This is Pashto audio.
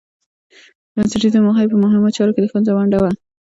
بنسټيزه موخه يې په مهمو چارو کې د ښځو ونډه وه